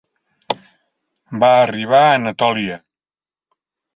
Va arribar a Anatòlia.